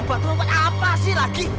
kita akan ngenjakin ratang ratang re builds